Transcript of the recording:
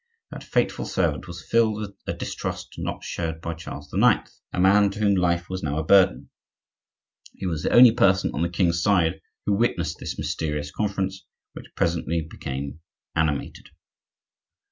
That faithful servant was filled with a distrust not shared by Charles IX., a man to whom life was now a burden. He was the only person on the king's side who witnessed this mysterious conference, which presently became animated.